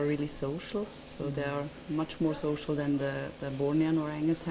mereka lebih sosial dari orang orang yang dilahirkan di borneo atau anggota